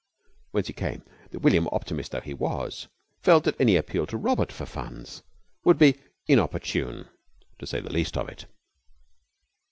Whence it came that William, optimist though he was, felt that any appeal to Robert for funds would be inopportune, to say the least of it.